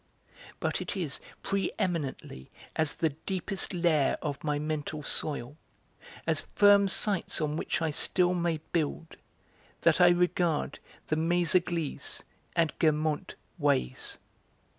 But it is pre eminently as the deepest layer of my mental soil, as firm sites on which I still may build, that I regard the Méséglise and Guermantes 'ways.'